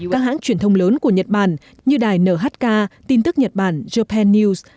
các hãng truyền thông lớn của nhật bản như đài nhk tin tức nhật bản japan news